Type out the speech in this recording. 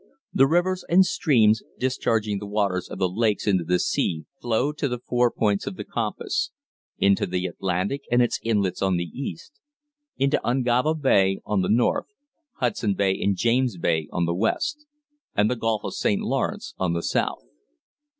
The rivers and streams discharging the waters of the lakes into the sea flow to the four points of the compass into the Atlantic and its inlets on the east, into Ungava Bay on the north, Hudson Bay and James Bay on the west, and the Gulf of St. Lawrence on the south.